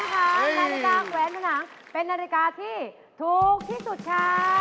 นาฬิกาแหวนผนังเป็นนาฬิกาที่ถูกที่สุดค่ะ